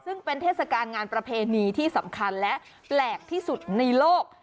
ซึ่งเป็นเทศกาลงานประเพณีที่สำคัญและแปลกที่สุดในโลก